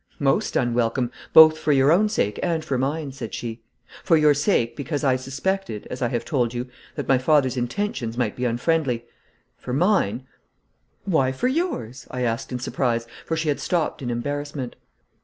'Most unwelcome, both for your own sake and for mine,' said she. 'For your sake because I suspected, as I have told you, that my father's intentions might be unfriendly. For mine ' 'Why for yours?' I asked in surprise, for she had stopped in embarrassment.